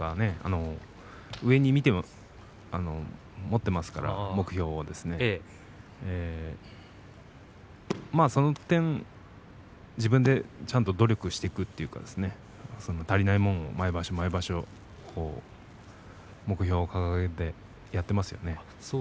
上に目標を持っていますからその点、自分でちゃんと努力していくというか足りないものを毎場所毎場所目標を掲げてやっていますよね。